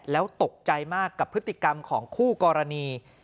แล้วตกใจมากกับพฤติกรรมของคู่กรณี